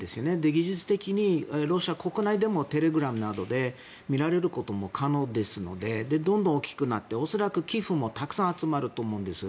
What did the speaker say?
技術的にロシア国内でもテレグラムなどで見られることも可能ですのでどんどん大きくなって恐らく寄付もたくさん集まると思うんです。